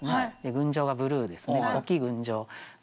「群青」がブルーですね。